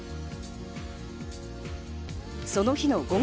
その日の午後。